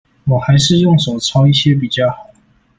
我還是用手抄一些比較好